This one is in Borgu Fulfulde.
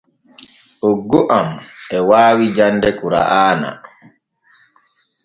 Oggo am e waawi jande kura’aana.